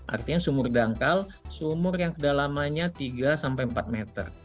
artinya sumur dangkal sumur yang kedalamannya tiga sampai empat meter